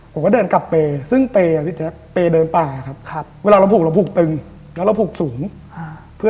ผมก็เดินกลับเป๊